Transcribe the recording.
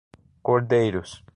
Cordeiros